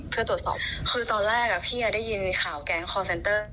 เพื่อตรวจสอบคือตอนแรกพี่ได้ยินข่าวแก๊งคอร์เซนเตอร์